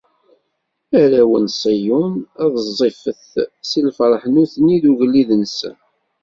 Arraw n Ṣiyun ad ẓẓifet si lferḥ nutni d ugellid-nsen!